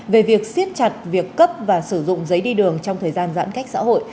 về việc siết chặt việc cấp và sử dụng giấy đi đường trong thời gian giãn cách xã hội